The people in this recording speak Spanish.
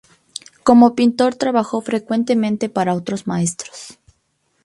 Como pintor trabajó frecuentemente para otros maestros.